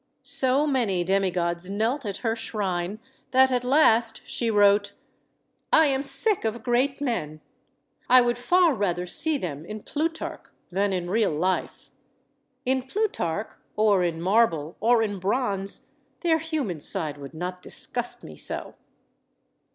So many demigods knelt at her shrine that at last she wrote: I am sick of great men. I would far rather see them in Plutarch than in real life. In Plutarch or in marble or in bronze, their human side would not disgust me so.